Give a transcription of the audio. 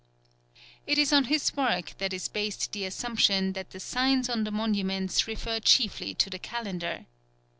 It is on his work that is based the assumption that the signs on the monuments refer chiefly to the calendar.